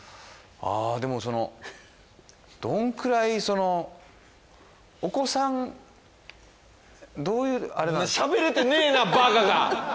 あでもそのどんくらいそのお子さんどういうあれなんですかしゃべれてねえなバカが！